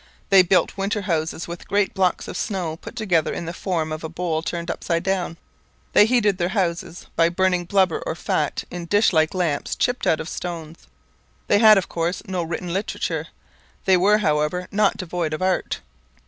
They built winter houses with great blocks of snow put together in the form of a bowl turned upside down. They heated their houses by burning blubber or fat in dish like lamps chipped out of stones. They had, of course, no written literature. They were, however, not devoid of art.